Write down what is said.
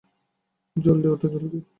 জলদি, ওঠ জলদি।